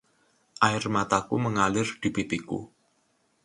Air mataku mengalir di pipiku.